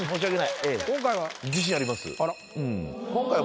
今回は？